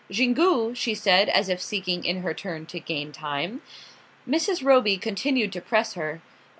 "Xingu " she said, as if seeking in her turn to gain time. Mrs. Roby continued to press her.